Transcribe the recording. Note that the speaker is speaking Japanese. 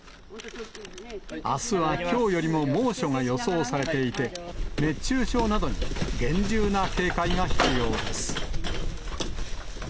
あすはきょうよりも猛暑が予想されていて、熱中症などに厳重な警戒が必要です。